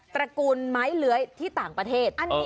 ตระกูลไม้เลื้อยที่ต่างประเทศ